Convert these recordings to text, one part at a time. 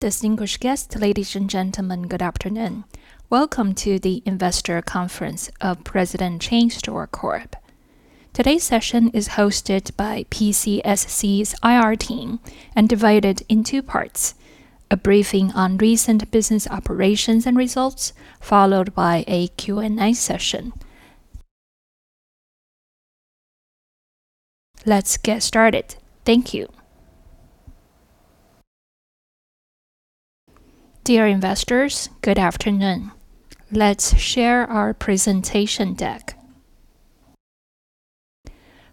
Distinguished guests, ladies and gentlemen, good afternoon. Welcome to the investor conference of President Chain Store Corp. Today's session is hosted by PCSC's IR team and divided in two parts: a briefing on recent business operations and results, followed by a Q&A session. Let's get started. Thank you. Dear investors, good afternoon. Let's share our presentation deck.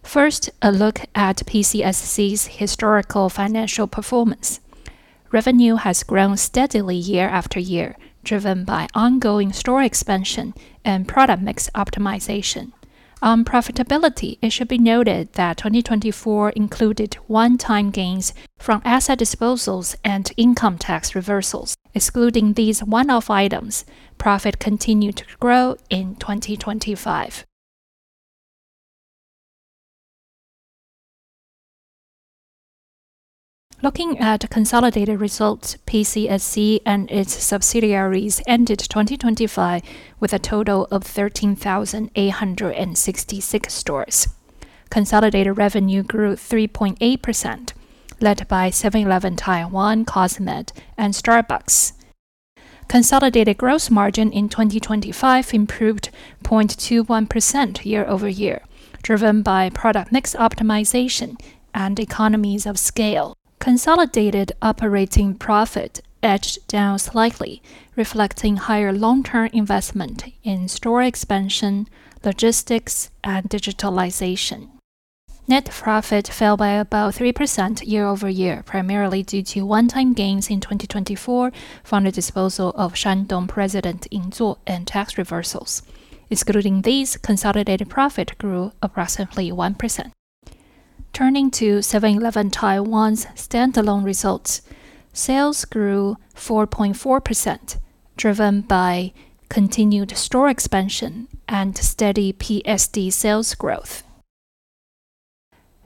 First, a look at PCSC's historical financial performance. Revenue has grown steadily year-after-year, driven by ongoing store expansion and product mix optimization. On profitability, it should be noted that 2024 included one-time gains from asset disposals and income tax reversals. Excluding these one-off items, profit continued to grow in 2025. Looking at consolidated results, PCSC and its subsidiaries ended 2025 with a total of 13,866 stores. Consolidated revenue grew 3.8%, led by 7-Eleven Taiwan, COSMED, and Starbucks. Consolidated gross margin in 2025 improved 0.21% year-over-year, driven by product mix optimization and economies of scale. Consolidated operating profit edged down slightly, reflecting higher long-term investment in store expansion, logistics, and digitalization. Net profit fell by about 3% year-over-year, primarily due to one-time gains in 2024 from the disposal of Shan Dong President Yinzuo and tax reversals. Excluding these, consolidated profit grew approximately 1%. Turning to 7-Eleven Taiwan's standalone results, sales grew 4.4%, driven by continued store expansion and steady PSD sales growth.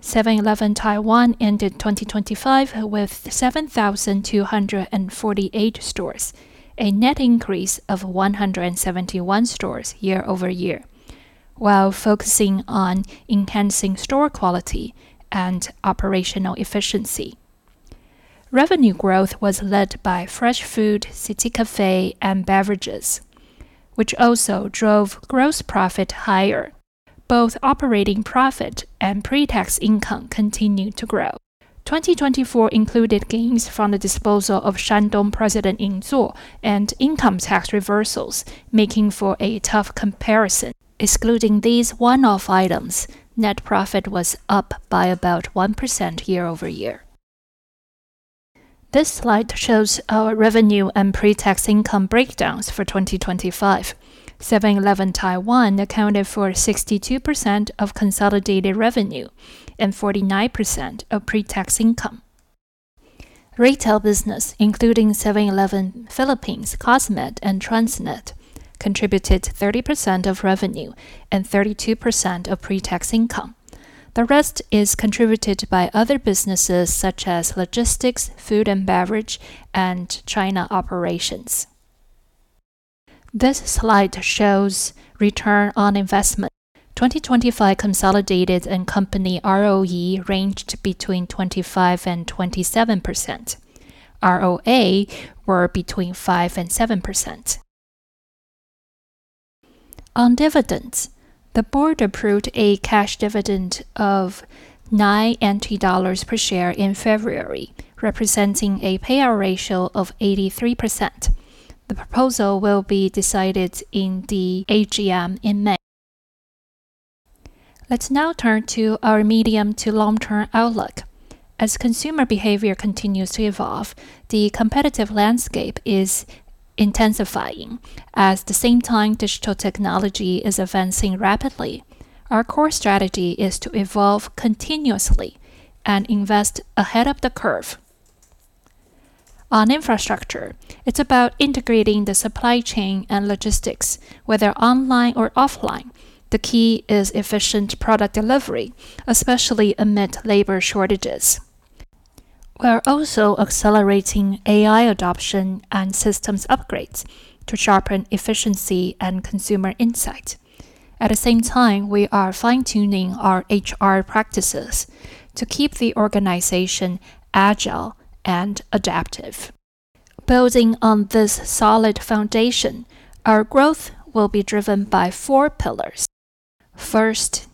7-Eleven Taiwan ended 2025 with 7,248 stores, a net increase of 171 stores year-over-year, while focusing on enhancing store quality and operational efficiency. Revenue growth was led by fresh food, CITY CAFE, and beverages, which also drove gross profit higher. Both operating profit and pre-tax income continued to grow. 2024 included gains from the disposal of Shan Dong President Yinzuo and income tax reversals, making for a tough comparison. Excluding these one-off items, net profit was up by about 1% year-over-year. This slide shows our revenue and pre-tax income breakdowns for 2025. 7-Eleven Taiwan accounted for 62% of consolidated revenue and 49% of pre-tax income. Retail business, including 7-Eleven Philippines, COSMED, and Transnet contributed 30% of revenue and 32% of pre-tax income. The rest is contributed by other businesses such as Logistics, Food and Beverage, and China operations. This slide shows return on investment. 2025 consolidated and company ROE ranged between 25% and 27%. ROA were between 5% and 7%. On dividends, the Board approved a cash dividend of NT$9 per share in February, representing a payout ratio of 83%. The proposal will be decided in the AGM in May. Let's now turn to our medium to long-term outlook. As consumer behavior continues to evolve, the competitive landscape is intensifying. At the same time, digital technology is advancing rapidly. Our core strategy is to evolve continuously and invest ahead of the curve. On infrastructure, it's about integrating the supply chain and logistics, whether online or offline. The key is efficient product delivery, especially amid labor shortages. We're also accelerating AI adoption and systems upgrades to sharpen efficiency and consumer insight. At the same time, we are fine-tuning our HR practices to keep the organization agile and adaptive. Building on this solid foundation, our growth will be driven by four pillars. First,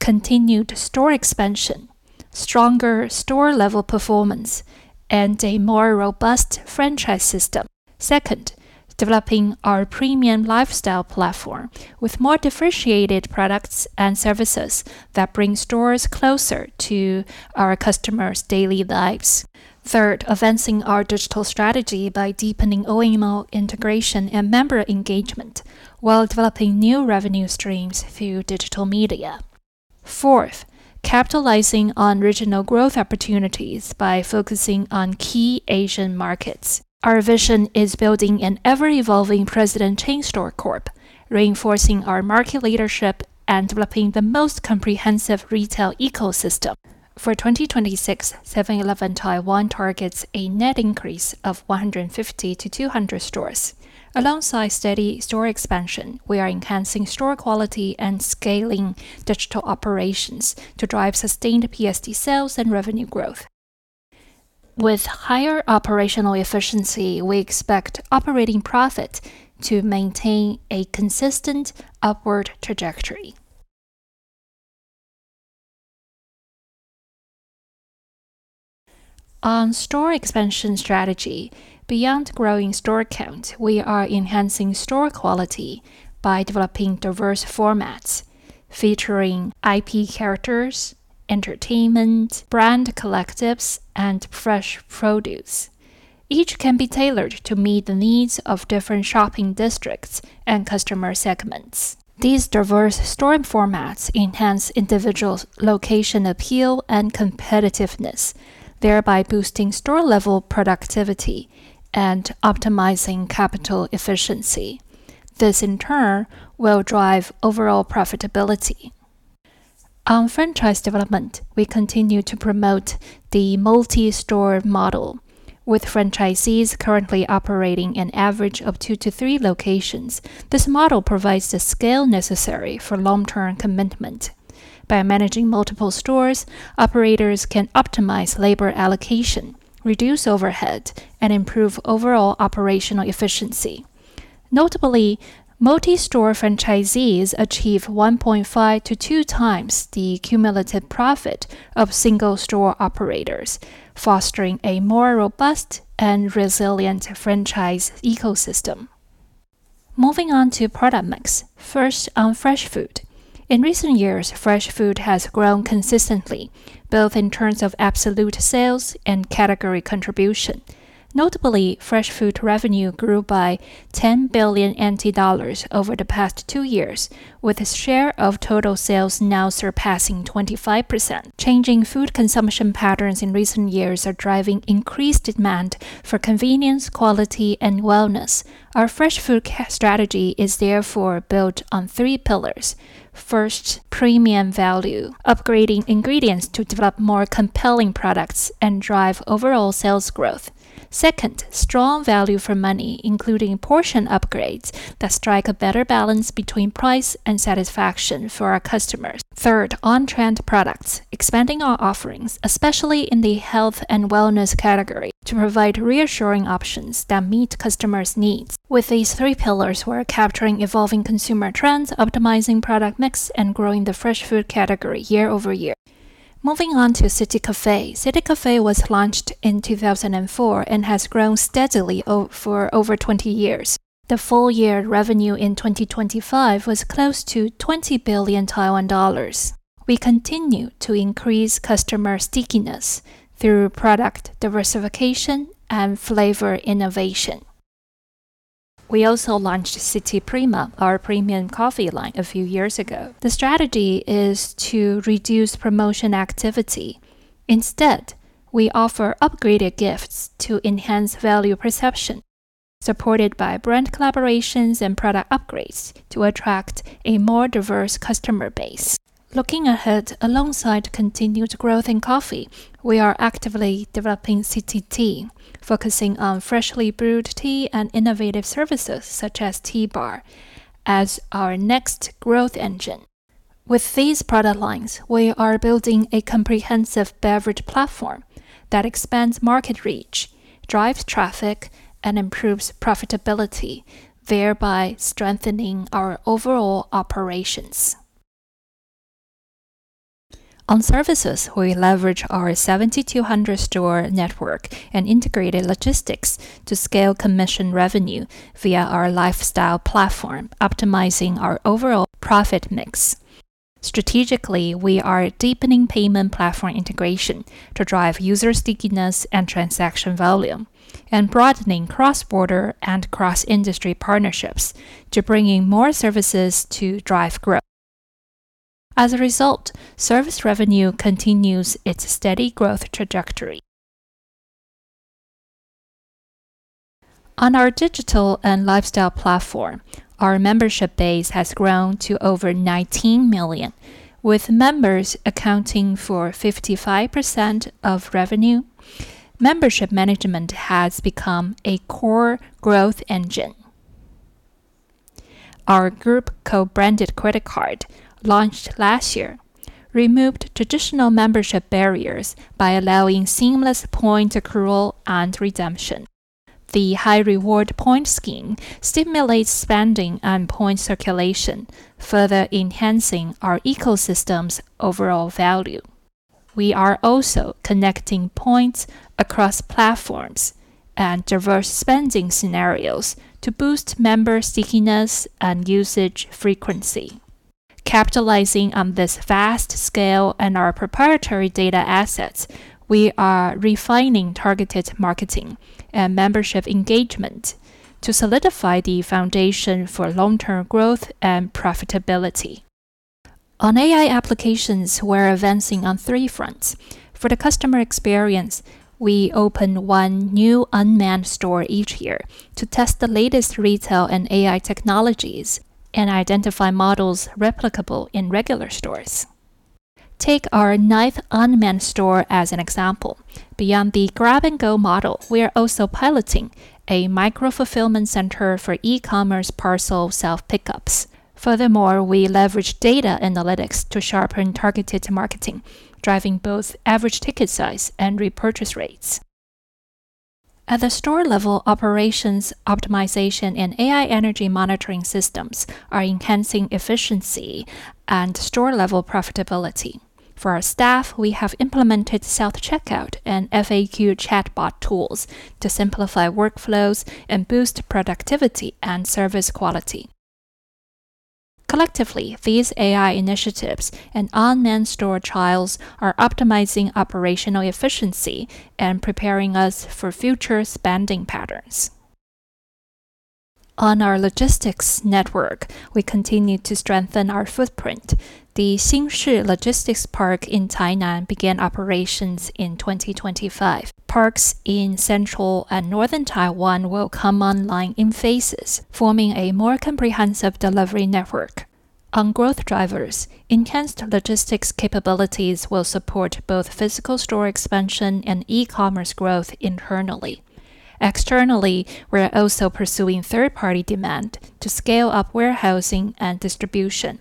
continued store expansion, stronger store-level performance, and a more robust franchise system. Second, developing our premium lifestyle platform with more differentiated products and services that bring stores closer to our customers' daily lives. Third, advancing our digital strategy by deepening OMO integration and member engagement while developing new revenue streams through digital media. Fourth, capitalizing on regional growth opportunities by focusing on key Asian markets. Our vision is building an ever-evolving President Chain Store Corp., reinforcing our market leadership, and developing the most comprehensive retail ecosystem. For 2026, 7-Eleven Taiwan targets a net increase of 150 to 200 stores. Alongside steady store expansion, we are enhancing store quality and scaling digital operations to drive sustained PSD sales and revenue growth. With higher operational efficiency, we expect operating profit to maintain a consistent upward trajectory. On store expansion strategy, beyond growing store count, we are enhancing store quality by developing diverse formats featuring IP characters, entertainment, brand collectives, and fresh produce. Each can be tailored to meet the needs of different shopping districts and customer segments. These diverse store formats enhance individual location appeal and competitiveness, thereby boosting store-level productivity and optimizing capital efficiency. This, in turn, will drive overall profitability. On franchise development, we continue to promote the multi-store model, with franchisees currently operating an average of two to three locations. This model provides the scale necessary for long-term commitment. By managing multiple stores, operators can optimize labor allocation, reduce overhead, and improve overall operational efficiency. Notably, multi-store franchisees achieve 1.5x to 2x the cumulative profit of single-store operators, fostering a more robust and resilient franchise ecosystem. Moving on to product mix. First on fresh food. In recent years, fresh food has grown consistently, both in terms of absolute sales and category contribution. Notably, fresh food revenue grew by 10 billion NT dollars over the past two years, with its share of total sales now surpassing 25%. Changing food consumption patterns in recent years are driving increased demand for convenience, quality, and wellness. Our fresh food strategy is therefore built on three pillars. First, premium value, upgrading ingredients to develop more compelling products and drive overall sales growth. Second, strong value for money, including portion upgrades that strike a better balance between price and satisfaction for our customers. Third, on-trend products, expanding our offerings, especially in the health and wellness category, to provide reassuring options that meet customers' needs. With these three pillars, we're capturing evolving consumer trends, optimizing product mix, and growing the fresh food category year-over-year. Moving on to CITY CAFE. CITY CAFE was launched in 2004 and has grown steadily for over 20 years. The full-year revenue in 2025 was close to 20 billion Taiwan dollars. We continue to increase customer stickiness through product diversification and flavor innovation. We also launched CITY PRIMA, our premium coffee line, a few years ago. The strategy is to reduce promotion activity. Instead, we offer upgraded gifts to enhance value perception, supported by brand collaborations and product upgrades to attract a more diverse customer base. Looking ahead, alongside continued growth in coffee, we are actively developing CITY TEA, focusing on freshly brewed tea and innovative services such as Tea Bar as our next growth engine. With these product lines, we are building a comprehensive beverage platform that expands market reach, drives traffic, and improves profitability, thereby strengthening our overall operations. On services, we leverage our 7,200-store network and integrated logistics to scale commission revenue via our lifestyle platform, optimizing our overall profit mix. Strategically, we are deepening payment platform integration to drive user stickiness and transaction volume, and broadening cross-border and cross-industry partnerships to bring in more services to drive growth. As a result, service revenue continues its steady growth trajectory. On our Digital and Lifestyle platform, our membership base has grown to over 19 million, with members accounting for 55% of revenue. Membership management has become a core growth engine. Our group co-branded credit card, launched last year, removed traditional membership barriers by allowing seamless point accrual and redemption. The high reward point scheme stimulates spending and point circulation, further enhancing our ecosystem's overall value. We are also connecting points across platforms and diverse spending scenarios to boost member stickiness and usage frequency. Capitalizing on this vast scale and our proprietary data assets, we are refining targeted marketing and membership engagement to solidify the foundation for long-term growth and profitability. On AI applications, we're advancing on three fronts. For the customer experience, we open one new unmanned store each year to test the latest retail and AI technologies and identify models replicable in regular stores. Take our ninth unmanned store as an example. Beyond the grab-and-go model, we are also piloting a micro-fulfillment center for e-commerce parcel self-pickups. Furthermore, we leverage data analytics to sharpen targeted marketing, driving both average ticket size and repurchase rates. At the store level, operations optimization and AI energy monitoring systems are enhancing efficiency and store-level profitability. For our staff, we have implemented self-checkout and FAQ chatbot tools to simplify workflows and boost productivity and service quality. Collectively, these AI initiatives and unmanned store trials are optimizing operational efficiency and preparing us for future spending patterns. On our logistics network, we continue to strengthen our footprint. The Xinshi Logistics Park in Tainan began operations in 2025. Parks in central and northern Taiwan will come online in phases, forming a more comprehensive delivery network. On growth drivers, enhanced logistics capabilities will support both physical store expansion and e-commerce growth internally. Externally, we're also pursuing third-party demand to scale up warehousing and distribution.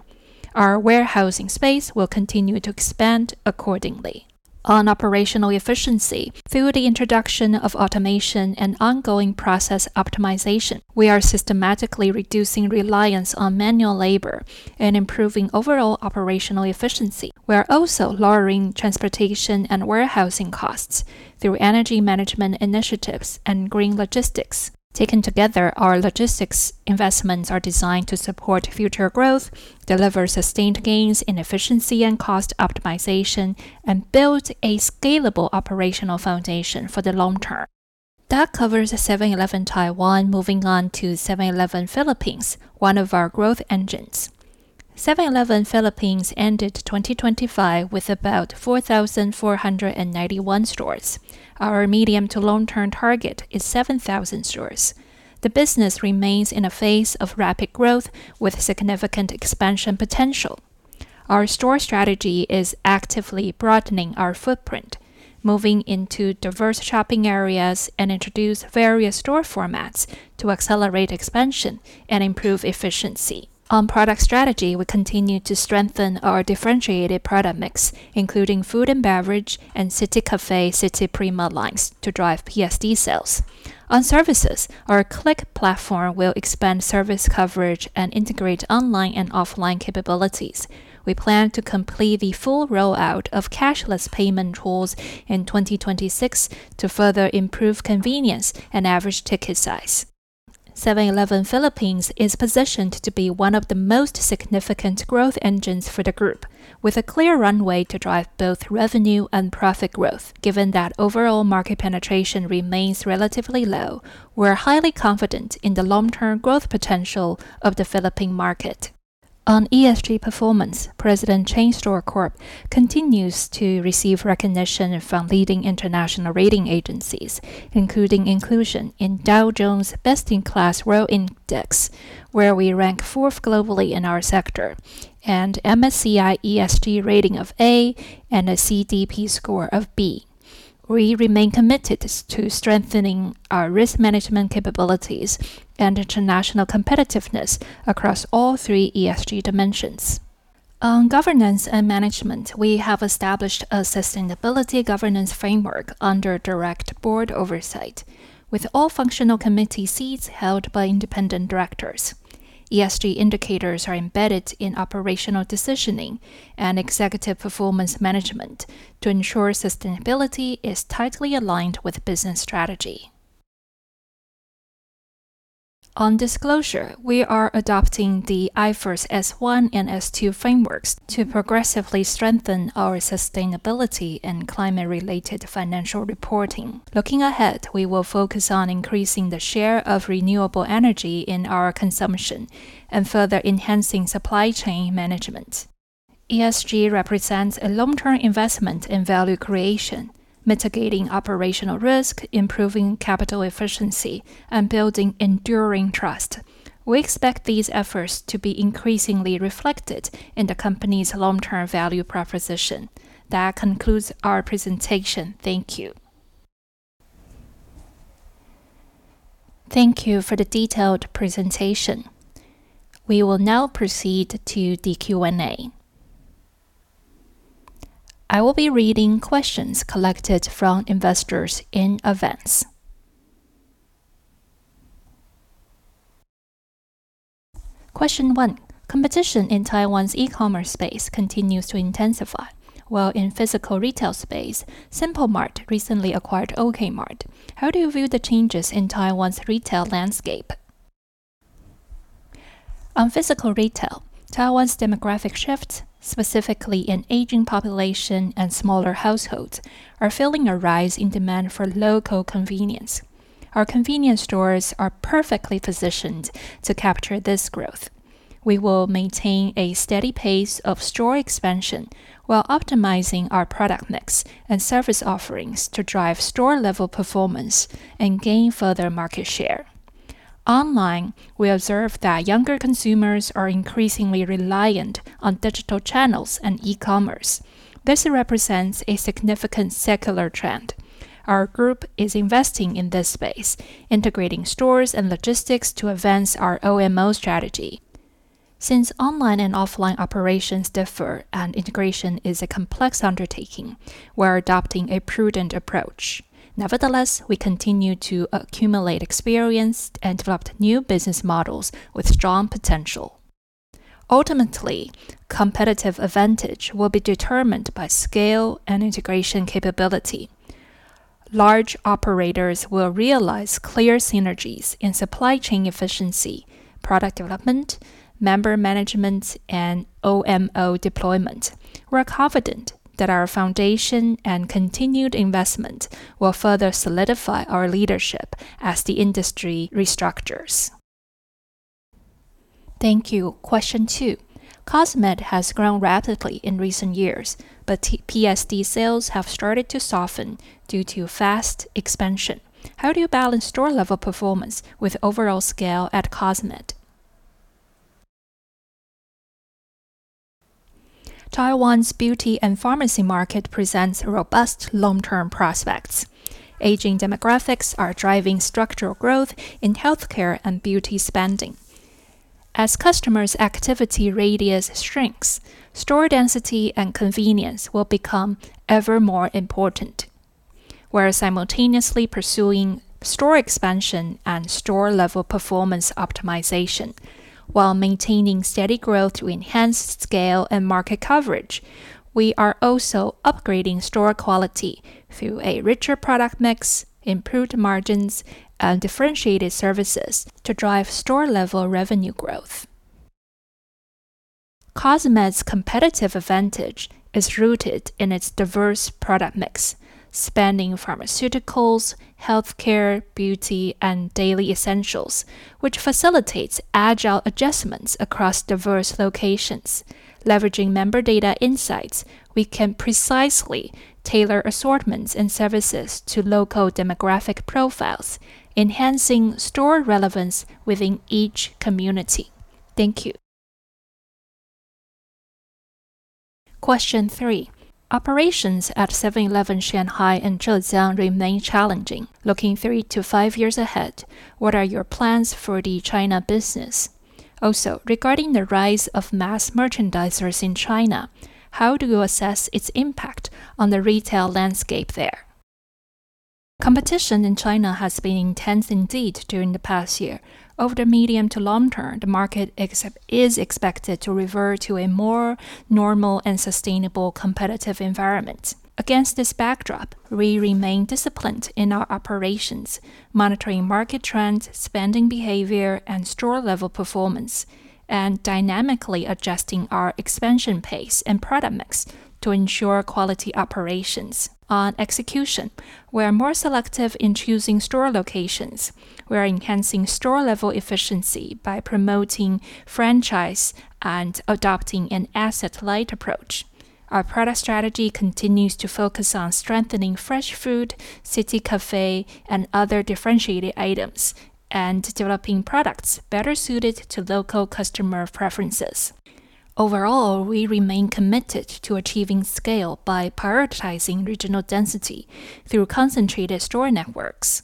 Our warehousing space will continue to expand accordingly. On operational efficiency, through the introduction of automation and ongoing process optimization, we are systematically reducing reliance on manual labor and improving overall operational efficiency. We are also lowering transportation and warehousing costs through energy management initiatives and green logistics. Taken together, our logistics investments are designed to support future growth, deliver sustained gains in efficiency and cost optimization, and build a scalable operational foundation for the long-term. That covers 7-Eleven Taiwan. Moving on to 7-Eleven Philippines, one of our growth engines. 7-Eleven Philippines ended 2025 with about 4,491 stores. Our medium to long-term target is 7,000 stores. The business remains in a phase of rapid growth with significant expansion potential. Our store strategy is actively broadening our footprint, moving into diverse shopping areas, and introduce various store formats to accelerate expansion and improve efficiency. On product strategy, we continue to strengthen our differentiated product mix, including food and beverage, and CITY CAFE, CITY PRIMA lines to drive PSD sales. On services, our CLiQQ platform will expand service coverage and integrate online and offline capabilities. We plan to complete the full rollout of cashless payment tools in 2026 to further improve convenience and average ticket size. 7-Eleven Philippines is positioned to be one of the most significant growth engines for the group, with a clear runway to drive both revenue and profit growth. Given that overall market penetration remains relatively low, we're highly confident in the long-term growth potential of the Philippine market. On ESG performance, President Chain Store Corp. continues to receive recognition from leading international rating agencies, including inclusion in Dow Jones Best-in-Class World Index, where we rank fourth globally in our sector, and MSCI ESG rating of A and a CDP score of B. We remain committed to strengthening our risk management capabilities and international competitiveness across all three ESG dimensions. On governance and management, we have established a sustainability governance framework under direct board oversight, with all functional committee seats held by independent directors. ESG indicators are embedded in operational decisioning and executive performance management to ensure sustainability is tightly aligned with business strategy. On disclosure, we are adopting the IFRS S1 and S2 frameworks to progressively strengthen our sustainability and climate-related financial reporting. Looking ahead, we will focus on increasing the share of renewable energy in our consumption and further enhancing supply chain management. ESG represents a long-term investment in value creation, mitigating operational risk, improving capital efficiency, and building enduring trust. We expect these efforts to be increasingly reflected in the company's long-term value proposition. That concludes our presentation. Thank you. Thank you for the detailed presentation. We will now proceed to the Q&A. I will be reading questions collected from investors in advance. Question 1, competition in Taiwan's e-commerce space continues to intensify, while in physical retail space, Simple Mart recently acquired OKmart. How do you view the changes in Taiwan's retail landscape? On physical retail, Taiwan's demographic shifts, specifically an aging population and smaller households, are fueling a rise in demand for local convenience. Our convenience stores are perfectly positioned to capture this growth. We will maintain a steady pace of store expansion while optimizing our product mix and service offerings to drive store-level performance and gain further market share. Online, we observe that younger consumers are increasingly reliant on digital channels and e-commerce. This represents a significant secular trend. Our group is investing in this space, integrating stores and logistics to advance our OMO strategy. Since online and offline operations differ and integration is a complex undertaking, we're adopting a prudent approach. Nevertheless, we continue to accumulate experience and develop new business models with strong potential. Ultimately, competitive advantage will be determined by scale and integration capability. Large operators will realize clear synergies in supply chain efficiency, product development, member management, and OMO deployment. We're confident that our foundation and continued investment will further solidify our leadership as the industry restructures. Thank you. Question two. COSMED has grown rapidly in recent years, PSD sales have started to soften due to fast expansion. How do you balance store-level performance with overall scale at COSMED? Taiwan's beauty and pharmacy market presents robust long-term prospects. Aging demographics are driving structural growth in healthcare and beauty spending. As customers' activity radius shrinks, store density and convenience will become ever more important. We're simultaneously pursuing store expansion and store-level performance optimization while maintaining steady growth to enhance scale and market coverage. We are also upgrading store quality through a richer product mix, improved margins, and differentiated services to drive store-level revenue growth. COSMED's competitive advantage is rooted in its diverse product mix, spanning pharmaceuticals, healthcare, beauty, and daily essentials, which facilitates agile adjustments across diverse locations. Leveraging member data insights, we can precisely tailor assortments and services to local demographic profiles, enhancing store relevance within each community. Thank you. Question three. Operations at 7-Eleven Shanghai and Zhejiang remain challenging. Looking three to five years ahead, what are your plans for the China business? Also, regarding the rise of mass merchandisers in China, how do you assess its impact on the retail landscape there? Competition in China has been intense indeed during the past year. Over the medium to long term, the market is expected to revert to a more normal and sustainable competitive environment. Against this backdrop, we remain disciplined in our operations, monitoring market trends, spending behavior, and store-level performance, and dynamically adjusting our expansion pace and product mix to ensure quality operations. On execution, we're more selective in choosing store locations. We're enhancing store-level efficiency by promoting franchise and adopting an asset-light approach. Our product strategy continues lo focus on strengthening fresh food, CITY CAFE, and other differentiated items, and developing products better suited to local customer preferences. Overall, we remain committed to achieving scale by prioritizing regional density through concentrated store networks.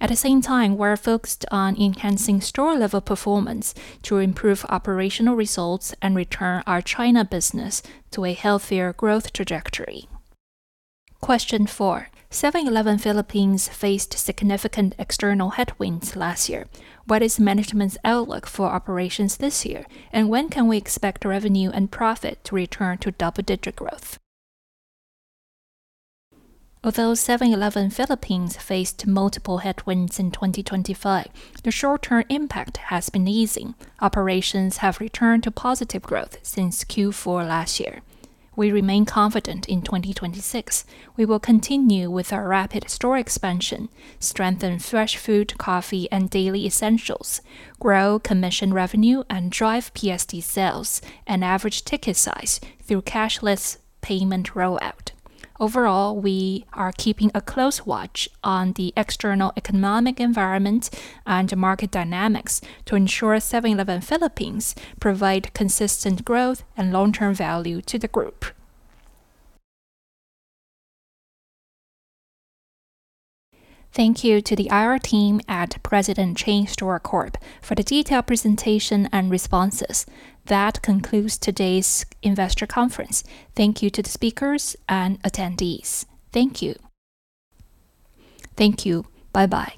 At the same time, we're focused on enhancing store-level performance to improve operational results and return our China business to a healthier growth trajectory. Question four. 7-Eleven Philippines faced significant external headwinds last year. What is management's outlook for operations this year, and when can we expect revenue and profit to return to double-digit growth? Although 7-Eleven Philippines faced multiple headwinds in 2025, the short-term impact has been easing. Operations have returned to positive growth since Q4 last year. We remain confident in 2026. We will continue with our rapid store expansion, strengthen fresh food, coffee, and daily essentials, grow commission revenue, and drive PSD sales and average ticket size through cashless payment rollout. Overall, we are keeping a close watch on the external economic environment and market dynamics to ensure 7-Eleven Philippines provide consistent growth and long-term value to the group. Thank you tp the IR team at President Chain Store Corp. for the detailed presentation and responses. That concludes today's investor conference. Thank you to the speakers and attendees. Thank you. Thank you. Bye-bye.